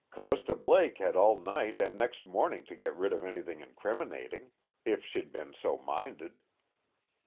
Callista Blake had all night and next morning to get rid of anything incriminating, if she'd been so minded.